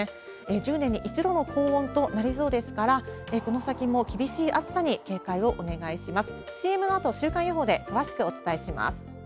１０年に一度の高温となりそうですから、この先も厳しい暑さに警戒をお願いします。